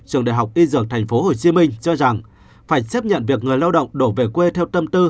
trường đại học y dược tp hcm cho rằng phải chấp nhận việc người lao động đổ về quê theo tâm tư